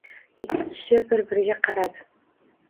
Ikki kishi bir-biriga qaradi.